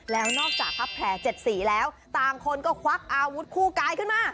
แล้วนอกจากพับแผล๗สีแล้วต่างคนก็ควักอาวุธคู่กายขึ้นมา